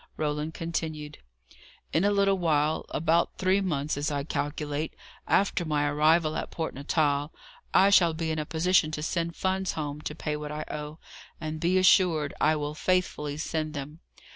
Roland continued: "In a little while about three months, as I calculate after my arrival at Port Natal, I shall be in a position to send funds home to pay what I owe; and be assured, I will faithfully send them.